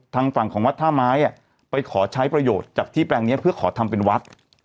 ทางฝั่งของวัดท่าไม้ไปขอใช้ประโยชน์จากที่แปลงนี้เพื่อขอทำเป็นวัด